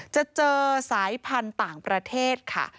จะเจอสายพันธุ์ต่างประเทศค่ะ